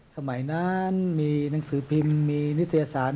สมัยนั้นมีหนังสือพิมพ์มีนิตยสาร